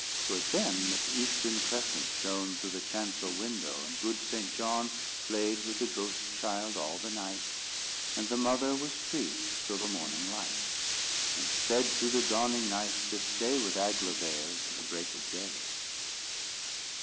'Twas then that the eastern crescent shone Through the chancel window, and good St. John Played with the ghost child all the night, And the mother was free till the morning light, And sped through the dawning night, to stay With Aglovaile till the break of day.